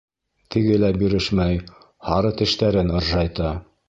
Теге лә бирешмәй, һары тештәрен ыржайта: